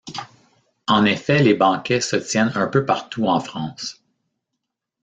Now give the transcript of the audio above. En effet les banquets se tiennent un peu partout en France.